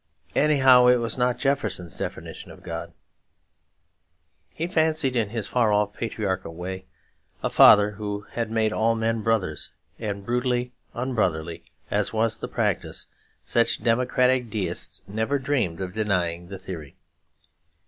Anyhow, it was not Jefferson's definition of God. He fancied, in his far off patriarchal way, a Father who had made all men brothers; and brutally unbrotherly as was the practice, such democratical Deists never dreamed of denying the theory.